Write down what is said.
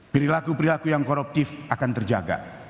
perilaku perilaku yang koruptif akan terjaga